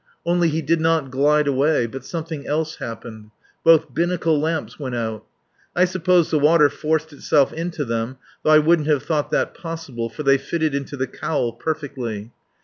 Only he did not glide away. But something else happened. Both binnaclelamps went out. I suppose the water forced itself into them, though I wouldn't have thought that possible, for they fitted into the cowl perfectly.